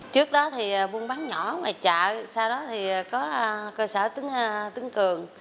trước đó thì buôn bán nhỏ ngoài chợ sau đó thì có cơ sở tính cường